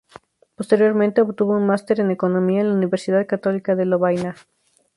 Posteriormente obtuvo un máster en economía en la Universidad Católica de Lovaina.